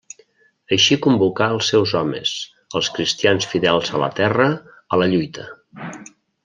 Així convocà els seus homes, els cristians fidels a la terra, a la lluita.